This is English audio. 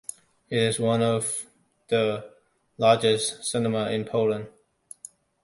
It is one of the largest cinemas in Poland.